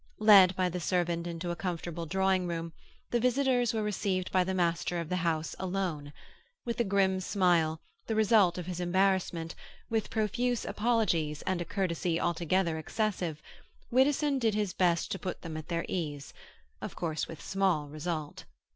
Led by the servant into a comfortable drawing room, the visitors were received by the master of the house alone; with a grim smile, the result of his embarrassment, with profuse apologies and a courtesy altogether excessive, Widdowson did his best to put them at their ease—of course with small result.